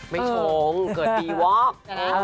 ไม่ชงเกิดปีว๊อก